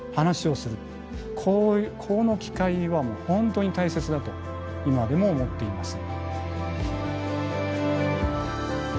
この機会は本当に大切だと今でも思っています。